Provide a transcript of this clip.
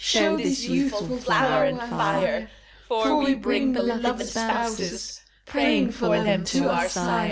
Show this youthful flower and fire ! For we bring beloved spouses. Praying for them to our sire.